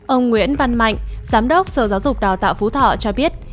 ông nguyễn văn mạnh giám đốc sở giáo dục đào tạo phú thọ cho biết